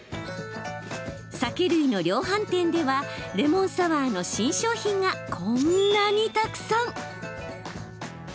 酒類の量販店ではレモンサワーの新商品がこんなにたくさん。